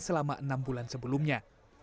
selama enam bulan sebelumnya